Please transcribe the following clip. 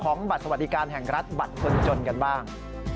บัตรสวัสดิการแห่งรัฐบัตรคนจนกันบ้าง